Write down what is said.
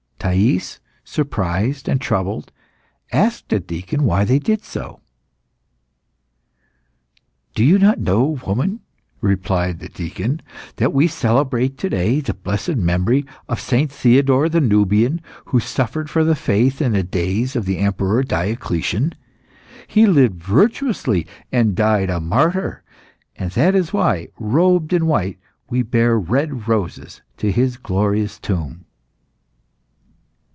Thais, surprised and troubled, asked a deacon why they did so. "Do you not know, woman," replied the deacon, "that we celebrate to day the blessed memory of St. Theodore the Nubian, who suffered for the faith in the days of the Emperor Diocletian? He lived virtuously and died a martyr, and that is why, robed in white, we bear red roses to his glorious tomb."